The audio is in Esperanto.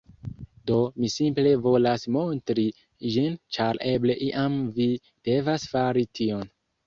Do, mi simple volas montri ĝin ĉar eble iam vi devas fari tion